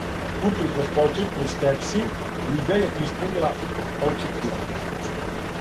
Упркос почетној скепси, лига је испунила очекивања.